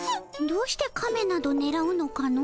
どうしてカメなどねらうのかの？